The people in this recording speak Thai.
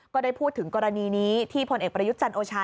ก็ได้พูดถึงกรณีนี้ที่พลเอกประยุทธ์จันโอชา